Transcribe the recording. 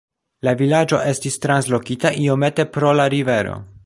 La vilaĝo estis translokita iomete pro la rivero.